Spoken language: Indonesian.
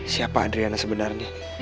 siapa adriana sebenarnya